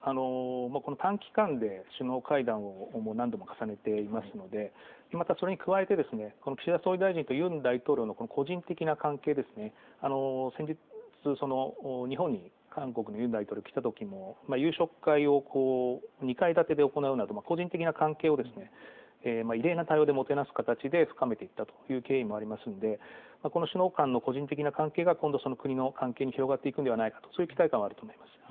この短期間で首脳会談を何度も重ねていますので、またそれに加えて、この岸田総理大臣とユン大統領の個人的な関係ですね、先日、日本に韓国のユン大統領、来たときも、夕食会を２階建てで行うなど、個人的な関係を異例な対応でもてなす形で深めていったという経緯もありますので、この首脳間の個人的な関係が、今度、その国の関係に広がっていくんではないかと、そういう期待感はあると思います。